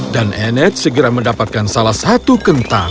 dan anet segera mendapatkan salah satu kentang